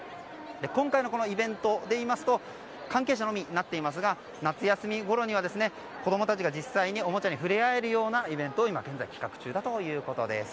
今回のこのイベントでいいますと関係者のみになっていますが夏休みごろには子供たちが実際におもちゃに触れ合えるようなイベントを今、企画中だということです。